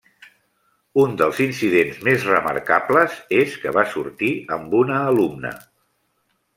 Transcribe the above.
Un dels incidents més remarcables és que va sortir amb una alumna.